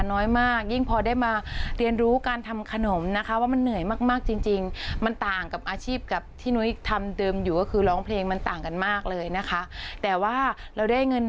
น้อยมากยิ่งพอได้มาเรียนรู้การทำขนมนะคะว่ามันเหนื่อยมากจริง